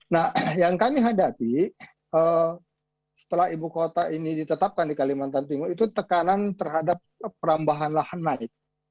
nah yang kami hadapi setelah ibu kota ini ditetapkan di kalimantan timur itu tekanan terhadap perambahan lahan naik